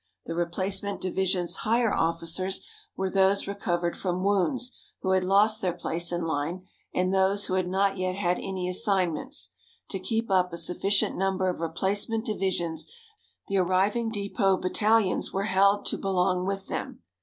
The replacement division's higher officers were those recovered from wounds, who had lost their place in line, and those who had not yet had any assignments. To keep up a sufficient number of replacement divisions, the arriving depot battalions were held to belong with them.